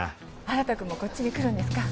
新くんもこっちに来るんですか？